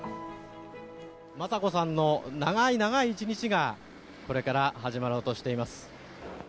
雅子さんの長い長い一日がこれから始まろうとしています。